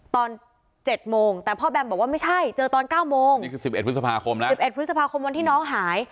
ตอน๗โมงแต่พ่อแบมบอกว่าไม่ใช่เจอตอน๙โมงนี่คือ๑๑พฤษภาคมแล้ว๑๑พฤษภาคมวันที่น้องหาย